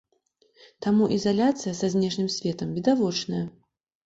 Таму ізаляцыя са знешнім светам відавочная.